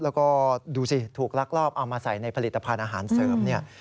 แล้วก็ดูสิถูกลักลอบเอามาใส่ในผลิตภัณฑ์อาหารเสริมเนี่ย